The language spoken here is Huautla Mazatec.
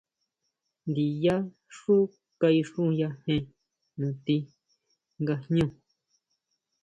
Ndiyá xú kaixuyajen natí nga jñú.